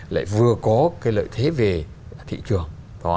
lại vừa có cái lợi thế về thị trường